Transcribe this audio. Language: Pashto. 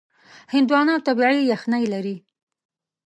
هندوانه طبیعي یخنۍ لري.